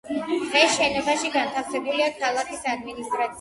დღეს შენობაში განთავსებულია ქალაქის ადმინისტრაცია.